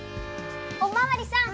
おまわりさん